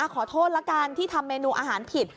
ขอโทษละกันที่ทำเมนูอาหารผิด